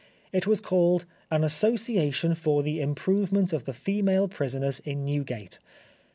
It was called "An Association for the Improvement of the Female Prisoners in Newgate."